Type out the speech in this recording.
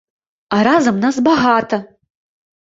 А разам нас багата!